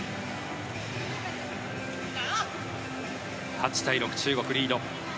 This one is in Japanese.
８対６、中国リード。